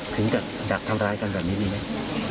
ถึงจะดักทำร้ายกันแบบนี้มีไหม